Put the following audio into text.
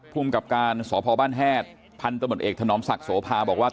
ภูมิกับการสพบ้านแฮดพันธมตเอกถนอมศักดิ์โสภาบอกว่า